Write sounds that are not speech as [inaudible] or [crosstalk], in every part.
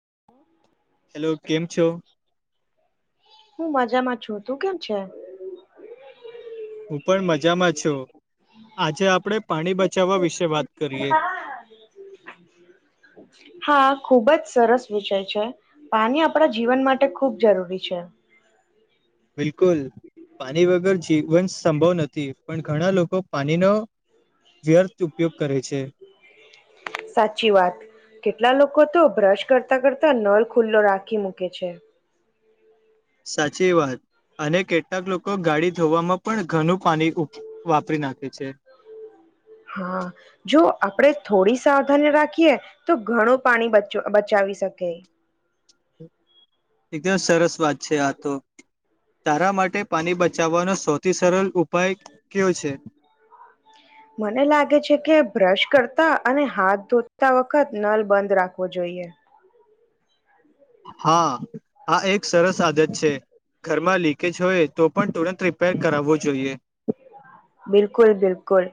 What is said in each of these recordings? [inaudible] Hello કેમ છો હું મજામાં છું તું કેમ છે હું પણ મજામાં છું આજે આપણે પાણી બચાવવા વિશે વાત કરીએ ખૂબ જ સરસ વિષય છે પાણી આપણા જીવન માટે ખૂબ જરૂરી છે બિલકુલ પાણી વગર જીવન સંભવ નથી પણ ઘણા લોકો પાણીનો વ્યર્થ ઉપયોગ કરે છે સાચી વાત કેટલા લોકો તો બ્રશ કરતા કરતા નળ ખુલ્લો રાખી મૂકે છે. સાચી વાત અને કેટલાક લોકો ગાડી ધોવામાં પણ ઘણુ પાણી વાપરી નાખે છે. હા જો આપણે થોડી સાવધાની રાખીએ તો ઘણું પાણી બચ બચાવી શકે. એકદમ સરસ વાત છે આ તો તારા માટે પાણી બચાવવાનો સૌથી સરળ ઉપ મને લાગે છે કે બ્રશ કરતા અને હાથ ધોતા વખત નલ બંધ રાખવો જોઈએ. હા આ એક સરસ આદત છે ઘરમાં લીકેજ હોય તો પણ તુરંત રિપેર કરાવવો જોઈએ. બિલકુલ બિલકુલ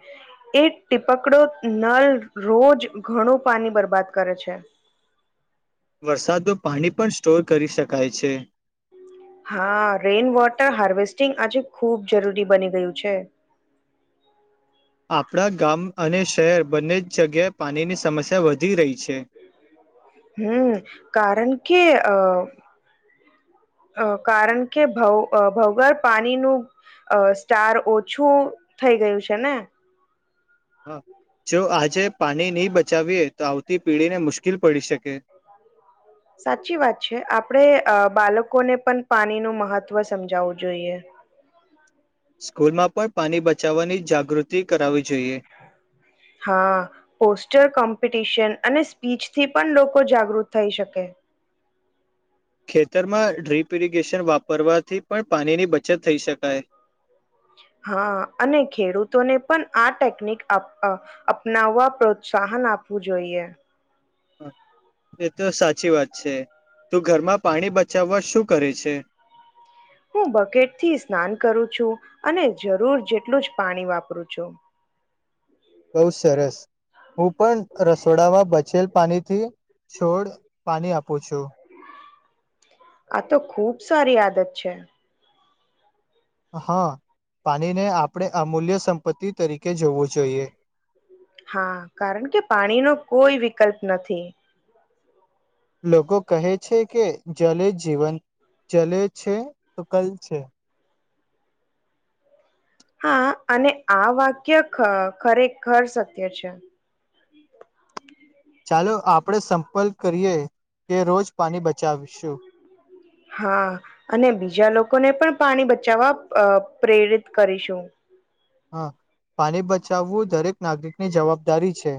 એ ટિપકડો નલ રોજ ઘણું પાણી બરબાદ કરે છે. વરસાદનું પાણી પણ સ્ટોર કરી શકાય છે. હા રેઈન વોટર હાર્વેસ્ટિંગ આજે ખૂબ જરૂરી બની ગયું છે. આપણા ગામ અને શહેર બને છે હમ કારણ કે અ અ કારણ કે ભ ભૌગોળ પાણી નું સ્ટાર ઓછું થઈ ગયું છે ને હા જો આજે પાણી નહી બચાવીએ તો આવતી પીઢી ને મુશ્કેલ પડી શકે સાચી વાત છે આપણેે બાળકોને પણ પાણી નુ મહત્વ સમજાવવું જોઈએ. સ્કૂલમાં પણ પાણી બચાવવાની જાગૃતિ કરાવી છે. હા પોસ્ટર કમપ્ ટિશન અને સ્પીચથી પણ લોકો જાગૃત થઈ શકે. ખેતરમાં ડ્રીપ ઇરિગેશન વાપરવાથી પણ પાણીની બચત થઈ શકાય. હા અને ખેડૂતોને પણ આ ટેકનિક અપ્ અપનાવવા પ્રોત્સાહન આપવું જોઈએ. એ તો સાચી વાત છે. તું ઘરમાં પાણી બચાવવા શું કરે છે? હું બકેટ થી સ્નાન કરું છું અને જરૂર જેટલું જ પાણી વાપરું છું. બહુ સરસ. હું પણ રસોડામાં બચેલ પાણી થી છોડ પાણી આપું છું. આ તો ખુબ સારી આદત છે. હા પાણીને આપણે અમૂલ્ય સંપત્તિ તરીકે જોવું જોઈએ. હા કારણ કે પાણી નો કોઈ વિકલ્પ નથી. લોકો કહે છે કે જલે જીવન જલે છે તો કલ છે. હા અને આ વાક્ય ખ ખરેખર સત્ય છે. ચાલો આપણે સંપર્ક કરીએ કે રોજ પાણી બચાવીશું હા અને બીજા લોકોને પણ પાણી બચાવવા અ પ્રેરિત કરીશું હ પાણી બચાવવું દરેક નાગરિકની જવાબદારી છે.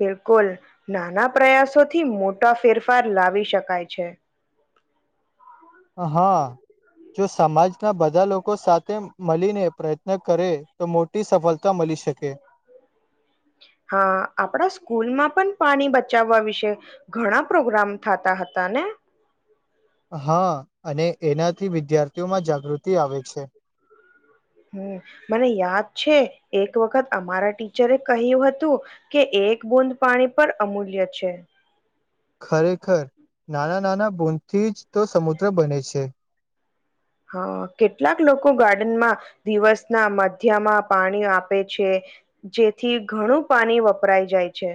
બિલકુલ નાના પ્રયાસો થી મોટા ફેરફાર લાવી શકાય છે. હા જો સમાજના બધા લોકો સાથે મળીને પ્રયત્ન કરે તો મોટી સફળતા મળી શકે હા આપણા સ્કૂલમાં પણ પાણી બચાવવા વિશે ઘણા પ્રોગ્રામ થતા હતા ને. હા અને એનાથી વિદ્યાર્થીઓમાં જાગૃતિ આવે છે. હમ મને યાદ છે એક વખત અમારા ટીચરે કહ્યું હતું કે એક બુંદ પાણી પર અમૂલ્ય છે. ખરેખર નાના નાના બોદ થી જ તો સમુદ્ર બને છે. હા કેટલાક લોકો ગાર્ડનમાં દિવસના મધ્યમાં પાણી આપે છે જેથી ઘણું પાણી વપરાય જાય છે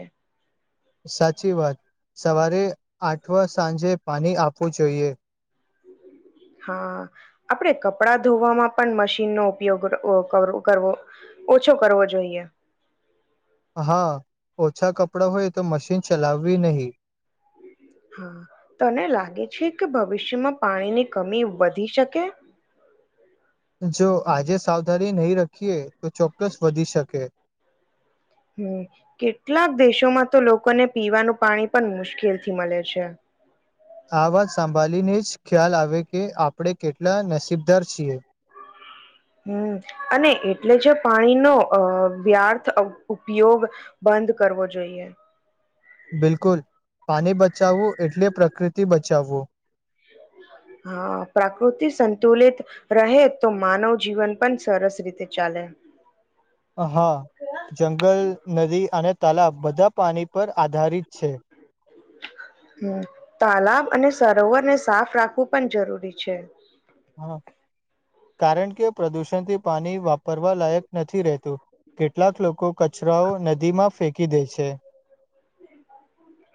સાચી વાત સવારે આઠ વાગ્યા બાદ સાંજે પાણી આપવું જોઈએ હા આપડે કપડા ધોવામાં પણ મશીનનો ઉપયોગ કરવો ઓછો કરવો જોઈએ હા ઓછા કપડાં હોય તો મશીન ચલાવવી નહી હા તને લાગે છે કે ભવિષ્યમાં પાણીની કમી વધી શકે જો આજે સાવધાની નહી રાખીએ તો ચોક્કસ વધી શકે હમ કેટલાક દેશોમાં તો લોકોને પીવાનું પાણી પણ મુશ્કેલથી મળે છે આ વાત સાંભાળીને જ ખ્યાલ આવે કે આપણે કેટલા નસીબદાર છીએ હમ અને એટલે જે પાણીનો વ્યર્થ ઉપયોગ બંધ કરવો જોઈએ બિલકુલ પાણી બચાવવું એટલે પ્રકૃતિ બચાવવું હા પ્રકૃતિ સંતુલિત રહે તો માનવ જીવન પણ સરસ રીતે ચાલે હા જંગલ નદી અને તાલાબ બધા પાણી પર આધારિત છે હ તલાબ અને સરોવર ને સાફ રાખવું પણ જરૂરી છે હ કારણ કે પ્રદુષણથી પાણી વાપરવા લાયક નથી રહેતું કેટલાક લોકો કચરાઓ નદીમાં ફેંકી દે છે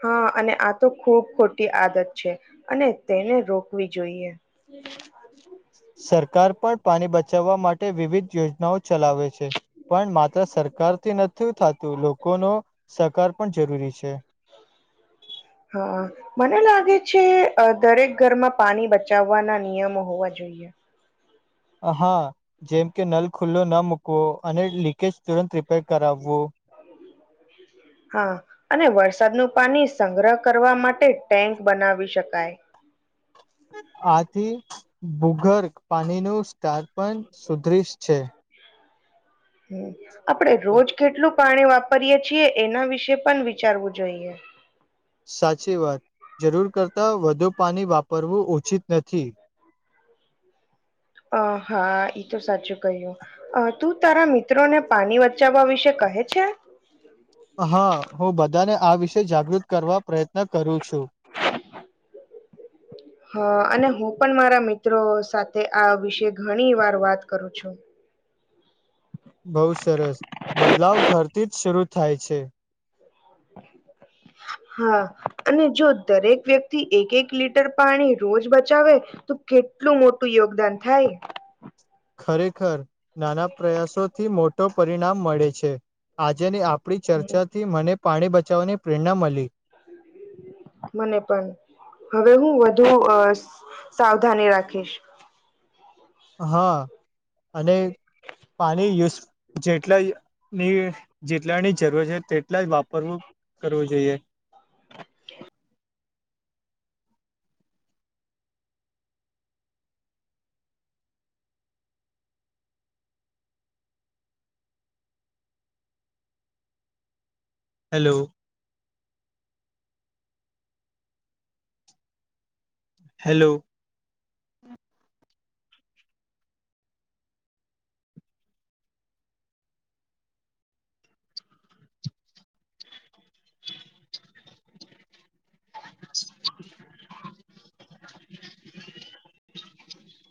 હા અને આ તો ખૂબ ખોટી આદત છે અને તેને રોકવી જોઈએ સરકાર પણ પાણી બચાવવા માટે વિવિધ યોજનાઓ ચલાવે છે પણ માત્ર સરકારથી નથી થતું લોકોનો સહકાર પણ જરૂરી છે હા મને લાગે છે દરેક ઘરમાં પાણી બચાવવાના નિયમો હોવા જોઈએ હા જેમ કે નલ ખુલ્લો ન મૂકવો અને લીકેજ તુરંત રિપેર કરાવવો હા અને વરસાદનું પાણી સંગ્રહ કરવા માટે ટેન્ક બનાવી શકાય આથી ભૂગર્ગ પાણીનું સ્ટાર પણ સુદૃશ છે [inaudible] આપડણે રોજ કેટલું પાણી વાપરીએ છીએ એના વિશે પણ વિચારવું જોઈએ સાચી વાત જરૂર કરતાં વધુ પાણી વાપરવું ઉચિત નથી અ હા એ તો સાચું કહ્યું તું તારા મિત્રોને પાણી બચાવવા વિશે કહે છે હા હું બધાને આ વિશે જાગૃત કરવા પ્રયત્ન ન કરું છું હા અને હું પણ મારા મિત્રો સાથે આ વિષે ઘણી વાર વાત કરું છું બહુ સરસ બદલાવ ઘરથી જ શરૂ થાય છે હા અને જો દરેક વ્યક્તિ એક એક લીટર પાણી રોજ બચાવે તો કેટલું મોટું યોગદાન થાય ખરેખર નાના પ્રયાસોથી મોટો પરિણામ મળે છે આજેની આપ આપણી ચર્ચાથી મને પાણી બચાવવાની પ્રેરણા મળી મને પણ હવે હું વધુ સાવધાની રાખીશ હા અને પાણી યુઝ જેટલાની જેટલાની જરૂર છે તે એટલા જ વાપરવું કરવું જોઈએ હેલો હેલો [inaudible]